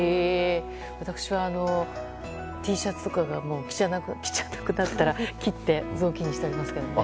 私はＴシャツとか、汚くなったら切って、雑巾にしてますけどね。